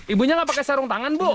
ibunya gak pake sarung tangan bu